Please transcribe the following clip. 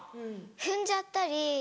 踏んじゃったり。